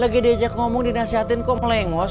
lagi diajak ngomong dinasihatin kok melengos